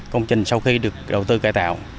công trình sau khi được đầu tư cải tạo